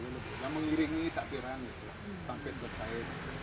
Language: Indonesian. yang mengiringi takbiran sampai selesai